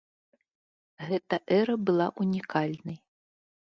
Гэта эра была ўнікальнай.